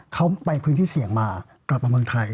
เขาไปพื้นที่เสี่ยงมากลับมาเมืองไทย